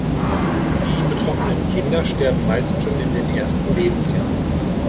Die betroffenen Kinder sterben meist schon in den ersten Lebensjahren.